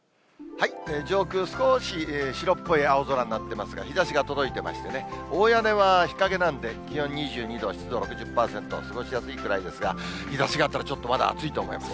上空、少し白っぽい青空になっていますが日ざしが届いていましてね、大屋根は日陰なんで、気温２２度、湿度６０％、過ごしやすいくらいですが、日ざしがあったら、ちょっとまだ暑いと思います。